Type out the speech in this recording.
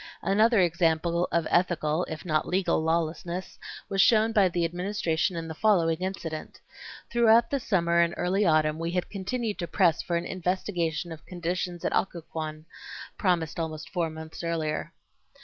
Another example of ethical, if not legal lawlessness, was shown by the Administration in the following incident. Throughout the summer and early autumn we had continued to press for an investigation of conditions at Occoquan, promised almost four months earlier.